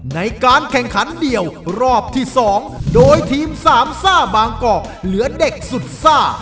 ในการแข่งขันเดียวรอบที่๒โดยทีมสามซ่าบางกอกเหลือเด็กสุดซ่า